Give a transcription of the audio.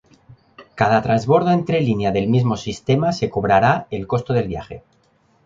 Cada transbordo entre línea del mismo sistema se cobrará el costo de viaje.